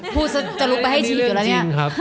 พูดจะลุกไปให้ฉีดแยละเนี่ย